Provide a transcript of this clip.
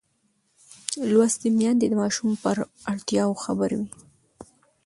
لوستې میندې د ماشوم پر اړتیاوو خبر وي.